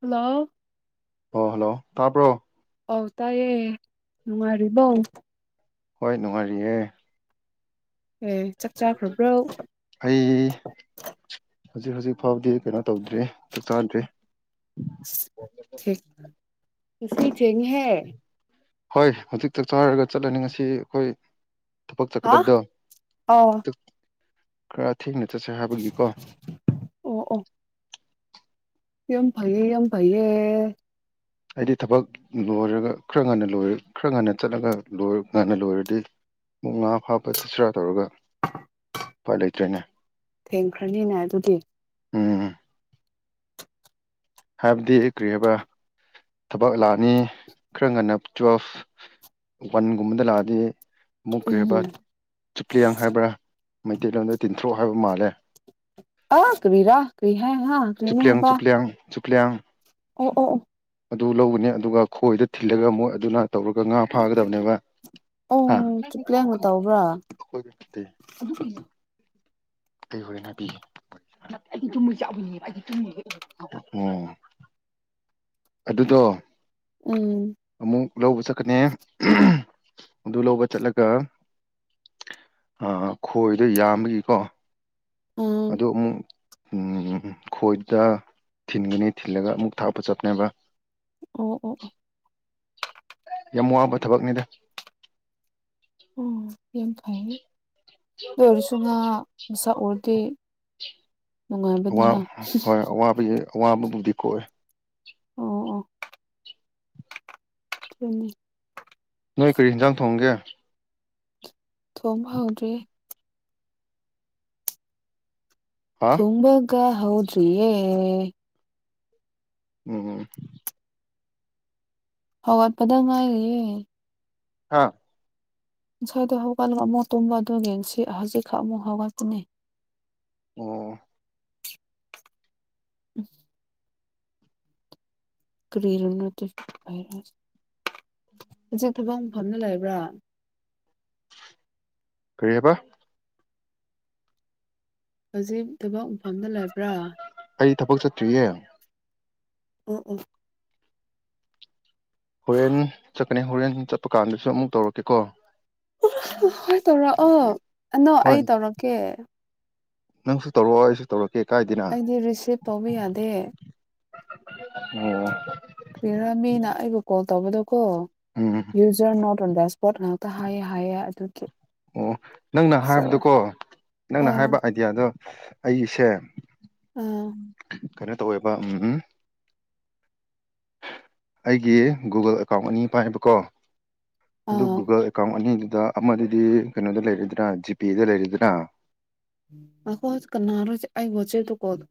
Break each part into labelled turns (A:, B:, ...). A: Hello
B: ꯑꯣ hello ꯇꯥꯕꯔꯣ
A: ꯑꯧ ꯇꯥꯏꯌꯦ ꯅꯨꯡꯉꯥꯏꯔꯤꯕꯣ?
B: ꯍꯣꯏ ꯅꯨꯡꯉꯥꯏꯔꯤꯑꯦ꯫
A: ꯑꯦ ꯆꯥꯛ ꯆꯥꯈ꯭ꯔꯕ꯭ꯔꯣ
B: [unintelligible] ꯑꯩ ꯍꯧꯖꯤꯛ ꯍꯧꯖꯤꯛ ꯐꯥꯎꯕꯗꯤ ꯀꯩꯅꯣ ꯇꯧꯗ꯭ꯔꯤ ꯆꯥꯛ ꯆꯥꯗ꯭ꯔꯤ꯫
A: ꯊꯦꯡ
B: [unintelligible]
A: [unintelligible]
B: ꯍꯣꯏ ꯍꯧꯖꯤꯛ ꯆꯥꯛ ꯆꯥꯔꯒ ꯆꯠꯂꯅꯤ ꯉꯁꯤ ꯑꯈꯣꯏ ꯊꯕꯛ
A: ꯍꯥ
B: ꯆꯠꯀꯗꯕꯗꯣ
A: ꯑꯧ
B: [unintelligible] ꯊꯦꯡꯅ ꯆꯠꯁꯦ ꯍꯥꯏꯕꯒꯤꯀꯣ
A: ꯌꯝ ꯐꯌꯦ ꯌꯝ ꯐꯌꯦ꯫
B: ꯑꯩꯗꯤ ꯊꯕꯛ ꯂꯣꯏꯔꯒ ꯈꯔ ꯉꯟꯅ ꯂꯣꯏ ꯈꯔ ꯉꯟꯅ ꯆꯠꯂꯒ ꯂꯣꯏ ꯉꯟꯅ ꯂꯣꯏꯔꯗꯤ ꯃꯨꯛ ꯉꯥ ꯐꯥꯄ ꯆꯠꯁꯤꯔꯥ ꯇꯧꯔꯒ ꯄꯥꯏ ꯂꯩꯇꯔꯦꯅꯦ
A: ꯊꯦꯡꯈ꯭ꯔꯅꯤꯅꯦ ꯑꯗꯨꯗꯤ
B: ꯎꯝ ꯍꯥꯏꯕꯗꯤ ꯀ꯭ꯔꯤ ꯍꯕꯥ ꯊꯕꯛ ꯂꯥꯑꯅꯤ ꯈꯔ ꯉꯟꯅ ꯇꯨꯋꯦꯜꯐ ꯋꯥꯟꯒꯨꯝꯕꯗ ꯂꯥꯛꯑꯗꯤ ꯃꯨꯈꯔꯦꯕ
A: ꯎꯝ
B: [unintelligible] ꯍꯥꯏꯕ꯭ꯔꯥ ꯃꯩꯇꯩꯂꯣꯟꯗ ꯇꯤꯟꯊ꯭ꯔꯣꯛ ꯍꯥꯏꯕ ꯃꯥꯜꯂꯦ꯫
A: ꯑ ꯀꯔꯤꯔꯥ ꯀꯔꯤꯍꯥꯏ ꯍꯥ ꯀꯔꯤꯅꯦ
B: ꯆꯨꯞꯂꯤꯌꯥꯡ
A: ꯍꯕ
B: [unintelligible]
A: ꯑꯣ ꯑꯣ ꯑꯣ
B: ꯑꯗꯨ ꯂꯧꯒꯅꯦ ꯑꯗꯨꯒ ꯈꯣꯏꯗ ꯊꯤꯜꯂꯒ ꯃꯣꯏ ꯑꯗꯨꯅ ꯇꯧꯔꯒ ꯉꯥ ꯐꯥꯒꯗꯕꯅꯦꯕ꯫
A: ꯑꯣ
B: ꯍꯥ
A: ꯆꯨꯞꯂꯦꯡꯅ ꯇꯧꯕ꯭ꯔꯥ
B: [unintelligible] ꯑꯩ ꯍꯣꯔꯦꯟ ꯍꯥꯏꯕꯤꯒꯦ [unintelligible] [unintelligible] ꯑꯗꯨꯗꯣ
A: ꯎꯝ
B: ꯑꯃꯨꯛ ꯂꯧꯕ ꯆꯠꯀꯅꯤ [unintelligible] ꯑꯗꯨ ꯂꯧꯕ ꯆꯠꯂꯒ ꯑ ꯈꯣꯏꯗꯣ ꯌꯥꯝꯕꯒꯤꯀꯣ
A: ꯎꯝ
B: ꯑꯗꯨ ꯑꯃꯨꯛ ꯎꯝ ꯈꯣꯏꯗ ꯊꯤꯟꯒꯅꯤ ꯊꯤꯜꯂꯒ ꯑꯃꯨꯛ ꯊꯥꯛꯄ ꯆꯠꯄꯅꯦꯕ꯫
A: ꯑꯣ ꯑꯣ ꯑꯣ
B: ꯌꯥꯝ ꯋꯥꯕ ꯊꯕꯛꯅꯤꯗ
A: ꯑꯣ ꯌꯥꯝ ꯐꯩꯌꯦ ꯑꯗꯨ ꯑꯣꯏꯔꯁꯨ ꯉꯥ ꯃꯁꯥ ꯑꯣꯏꯔꯗꯤ
B: ꯋꯥ ꯍꯣꯏ ꯑꯋꯥꯕꯩ ꯑꯋꯥꯕꯕꯨꯗꯤ ꯀꯣꯛꯑꯦ꯫
A: ꯑꯣ ꯑꯣ [unintelligible]
B: ꯅꯣꯏ ꯀꯔꯤ ꯍꯤꯟꯖꯥꯡ ꯊꯣꯡꯒꯦ?
A: ꯊꯣꯝꯕ ꯍꯧꯗ꯭ꯔꯤ꯫
B: ꯍꯥ
A: ꯊꯣꯡꯕꯒ ꯍꯧꯗꯔꯤꯌꯦ꯫
B: ꯎꯝ
A: ꯍꯋꯥꯠꯄꯗ ꯉꯥꯏꯔꯤꯌꯦ
B: ꯍꯥꯥ
A: ꯉꯁꯥꯏꯗ ꯍꯧꯒꯠꯂꯕ ꯑꯃꯨꯛ ꯇꯨꯝꯕ ꯑꯗꯨꯒꯤ ꯌꯦꯡꯁꯤ ꯍꯧꯖꯤꯛꯈꯛ ꯑꯃꯨꯛ ꯍꯧꯒꯛꯄꯅꯦ꯫
B: ꯑꯣ
A: [unintelligible] ꯀꯔꯤꯔ [unintelligible] ꯍꯨꯖꯤꯛ ꯊꯕꯛ ꯃꯐꯝꯗ ꯂꯩꯕ꯭ꯔꯥ?
B: ꯀꯔꯤ ꯍꯥꯏꯕ
A: ꯍꯨꯖꯤꯛ ꯊꯕꯛ ꯃꯐꯝꯗ ꯂꯩꯕ꯭ꯔꯥ?
B: ꯑꯩ ꯊꯕꯛ ꯆꯠꯇ꯭ꯔꯤꯌꯦ꯫
A: ꯎ ꯎ
B: ꯍꯣꯔꯦꯟ ꯆꯠꯀꯅꯤ ꯍꯣꯔꯦꯟ ꯆꯠꯄ ꯀꯥꯟꯗꯁꯨ ꯑꯃꯨꯛ ꯇꯧꯔꯛꯀꯦꯀꯣ
A: ꯍꯣꯏ ꯇꯧꯔꯛꯑꯣ ꯑꯅꯣ
B: ꯍꯣꯏ
A: ꯑꯩ ꯇꯧꯔꯛꯀꯦ
B: ꯅꯪꯁꯨ ꯇꯧꯔ ꯑꯩꯁꯨ ꯇꯧꯔ
A: ꯑꯩꯗꯤ ꯔꯤꯁꯤꯞ ꯇꯧꯕ ꯌꯥꯗꯦ
B: ꯑꯣ
A: ꯇꯗ ꯀꯣ
B: ꯎꯝ
A: ꯌꯨꯖ ꯅꯣ [inaudible] ꯑꯣ ꯄꯣꯠ ꯉꯥꯛꯇ ꯍꯥꯏꯌꯦ ꯍꯥꯏꯌꯦ ꯑꯗꯨꯒꯤ
B: ꯑꯣ ꯅꯪꯅ
A: ꯁꯣ
B: ꯍꯥꯏꯕꯗꯣꯀꯣ ꯅꯪꯅ
A: ꯑꯥ
B: ꯍꯥꯏꯕ ꯑꯥꯏꯗꯤꯌꯥꯗꯣ ꯑꯩꯒꯤꯁꯦ
A: ꯑꯥ
B: ꯀꯩꯅꯣ ꯇꯧꯋꯦꯕ ꯎꯝ ꯑꯩꯒꯤ ꯒꯨꯒꯜ ꯑꯦꯀꯥꯎꯟ ꯑꯅꯤ ꯄꯥꯏꯕꯀꯣ ꯑꯗꯨ
A: ꯑꯥ
B: ꯒꯨꯒꯜ ꯑꯦꯀꯥꯎꯟ ꯑꯅꯤ ꯑꯗꯨꯗ ꯑꯃꯗꯤ ꯀꯩꯅꯣꯗ ꯂꯩꯔꯤꯗꯅ ꯖꯤꯄꯦꯗ ꯂꯩꯔꯤꯗꯅ
A: ꯑꯈꯣꯏ ꯀꯅꯥꯔ ꯑꯩ ꯋꯥꯆꯦ ꯇ ꯀꯣꯗ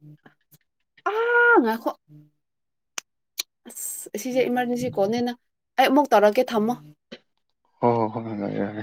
A: ꯑꯥꯉꯥꯏꯈꯣ ꯑꯁ ꯁꯤꯁꯦ ꯏꯃꯥꯔꯖꯦꯟꯁꯤ ꯀꯣꯅꯦꯅ ꯑꯌꯨꯃꯨꯛ ꯇꯧꯔꯛꯀꯦ ꯊꯝꯃꯣ
B: ꯍ ꯍ ꯍꯣꯏꯦ ꯌꯥꯦ